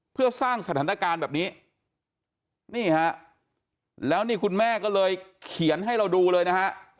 เพื่อสร้างสถานการณ์แบบนี้นี่ฮะแล้วนี่คุณแม่ก็เลยเขียนให้เราดูเลยนะฮะ